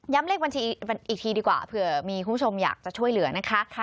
เลขบัญชีอีกทีดีกว่าเผื่อมีคุณผู้ชมอยากจะช่วยเหลือนะคะ